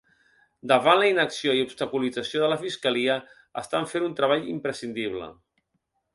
Davant la inacció i obstaculització de la fiscalia estan fent un treball imprescindible.